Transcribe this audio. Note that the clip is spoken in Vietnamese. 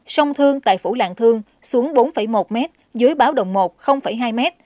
sông thương tại phủ lạng thương xuống bốn một m dưới báo động một hai m